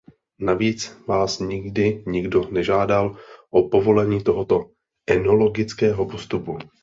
Navíc vás nikdy nikdo nežádal o povolení tohoto enologického postupu.